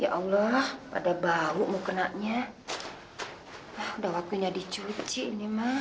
ya allah ada bau mau kenanya udah waktunya dicuci nih mah